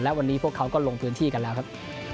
และวันนี้พวกเขาก็ลงพื้นที่กันแล้วครับ